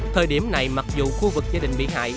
thời điểm này mặc dù khu vực gia đình bị hại